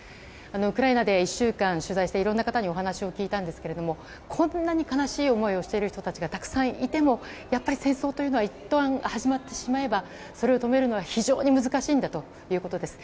ウクライナで１週間取材していろんな方にお話を聞いたんですがこんなに悲しい思いをしている人がたくさんいてもやっぱり戦争というのはいったん始まってしまえばそれを止めるのは非常に難しいんだということです。